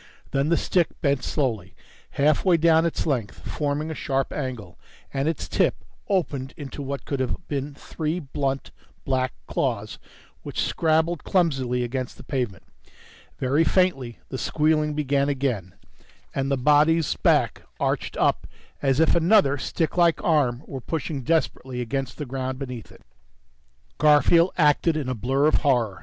Then the stick bent slowly halfway down its length, forming a sharp angle, and its tip opened into what could have been three blunt, black claws which scrabbled clumsily against the pavement. Very faintly, the squealing began again, and the body's back arched up as if another sticklike arm were pushing desperately against the ground beneath it. Garfield acted in a blur of horror.